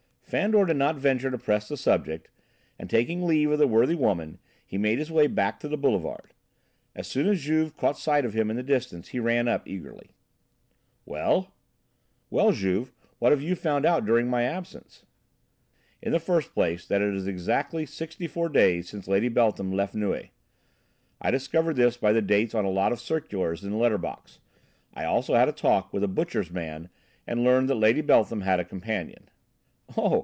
Fandor did not venture to press the subject, and, taking leave of the worthy woman, he made his way back to the Boulevard. As soon as Juve caught sight of him in the distance he ran up eagerly. "Well?" "Well, Juve, what have you found out during my absence?" "In the first place that it is exactly sixty four days since Lady Beltham left Neuilly. I discovered this by the dates on a lot of circulars in the letter box. I also had a talk with a butcher's man and learned that Lady Beltham had a companion." "Oh!